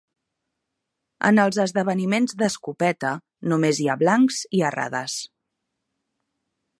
En els esdeveniments d'escopeta, només hi ha blancs i errades.